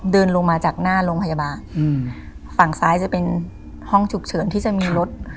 เดินลงมาจากหน้าโรงพยาบาลอืมฝั่งซ้ายจะเป็นห้องฉุกเฉินที่จะมีรถ